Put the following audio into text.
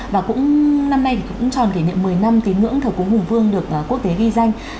và cũng năm nay thì cũng tròn kỷ niệm một mươi năm tín ngưỡng thờ cúng hùng vương được quốc tế ghi danh